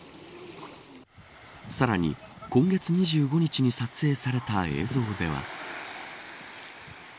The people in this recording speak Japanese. さらに、今月２５日に撮影された映像では。